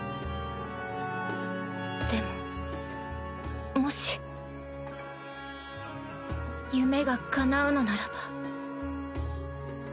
でももし夢がかなうのならば